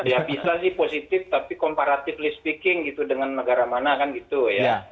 ya bisa sih positif tapi comparatively speaking gitu dengan negara mana kan gitu ya